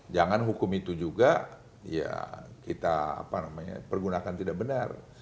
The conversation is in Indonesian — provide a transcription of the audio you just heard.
jangan hukum itu juga ya kita pergunakan tidak benar